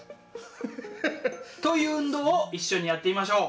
という運動を一緒にやってみましょう。